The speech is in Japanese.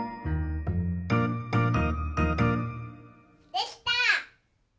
できた！